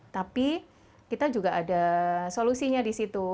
tapi kita juga ada solusinya di situ